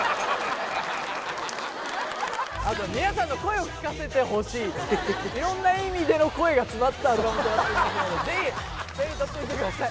あと皆さんの声を聞かせてほしいとか色んな意味での声が詰まったアルバムとなっていますのでぜひ手に取ってみてください